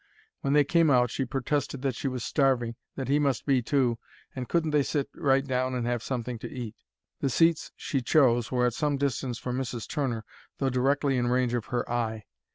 When they came out she protested that she was starving, that he must be too, and couldn't they sit right down and have something to eat? The seats she chose were at some distance from Mrs. Turner, though directly in range of her eye.